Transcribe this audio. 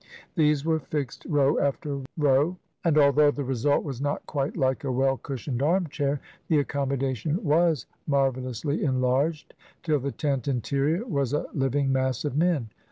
These were fixed row after row, and although the result was not quite like a well cushioned armchair, the accommodation was marvelously enlarged, till the tent interior was a living mass of men.